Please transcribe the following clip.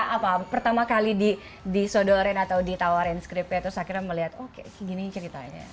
apa pertama kali disodohin atau ditawarin scriptnya terus akhirnya melihat oh kayak gini ceritanya